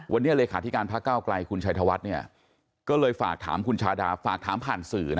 วันนี้เลขาธิการพระเก้าไกลคุณชัยธวัฒน์ก็เลยฝากถามคุณชาดาฝากถามผ่านสื่อ